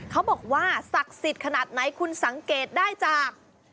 เขาบอกว่าศักดิ์สิทธิ์ขนาดไหนคุณสังเกตได้จาก